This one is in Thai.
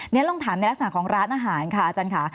นี่ลองถามในลักษณะของร้านอาหารค่ะอาจารย์ค่ะ